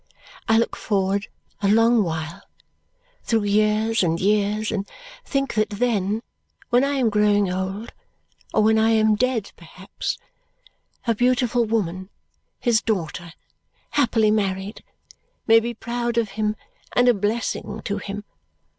I look forward a long while, through years and years, and think that then, when I am growing old, or when I am dead perhaps, a beautiful woman, his daughter, happily married, may be proud of him and a blessing to him.